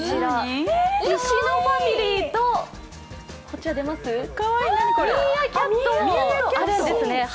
ウシのファミリーとミーアキャットもあるんですね。